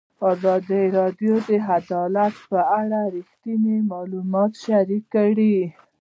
ازادي راډیو د عدالت په اړه رښتیني معلومات شریک کړي.